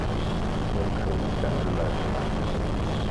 Nekk ur d tanelmadt.